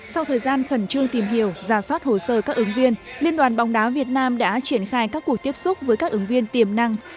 sau thời gian khẩn trương tìm hiểu giả soát hồ sơ các ứng viên liên đoàn bóng đá việt nam đã triển khai các cuộc tiếp xúc với các ứng viên tiềm năng